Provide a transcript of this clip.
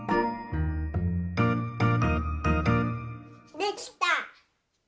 できた！